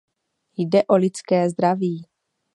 Jde o lidské zdraví.